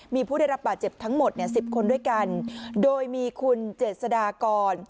มีผู้ได้รับบาดเจ็บทั้งหมดเนี่ยสิบคนด้วยกันโดยมีคุณเจษฎากร